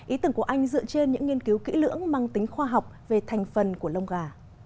ý tưởng của anh dựa trên những nghiên cứu kỹ lưỡng mang tính khoa học về thành phần của lông gà